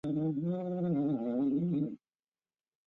凝毛杜鹃为杜鹃花科杜鹃属下的一个变种。